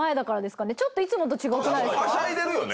はしゃいでるよね。